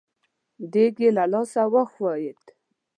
دېګ يې له لاسه وښوېد.